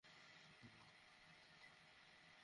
সেখানে আমাদের ভাই বোনদের সাহায্যের প্রয়োজন।